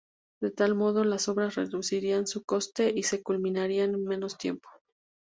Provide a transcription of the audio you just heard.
De tal modo las obras reducirían su coste y se culminarían en menos tiempo.